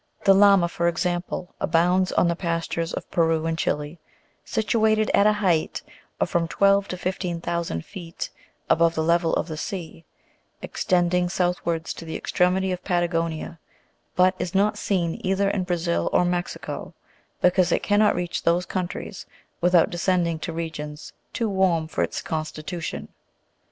The lama, for example, abounds on the pastures of Peru and Chile, situated at a height of from twelve to fifteen thousand feet above the level of the sea, extending south wards to the extremity of Patagonia, but is not seen either in Brazil or Mexico, because it cannot reach those countries without descending to regions too warm for its constitution.